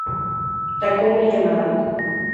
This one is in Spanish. Takumi Yamada